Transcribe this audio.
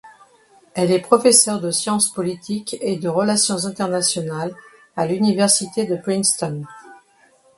Elle est professeur de sciences politiques et de relations internationales à l'université de Princeton.